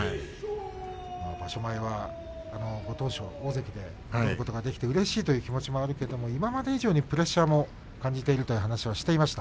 場所前はご当所に大関で戻ることができてうれしいけれども、今まで以上にプレッシャーを感じているとも話していました。